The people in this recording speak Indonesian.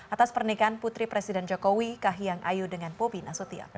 atas pernikahan putri presiden jokowi kahiyang ayu dengan bobi nasution